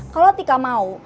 kalau tika mau